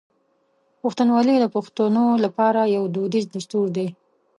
پښتونولي د پښتنو لپاره یو دودیز دستور دی.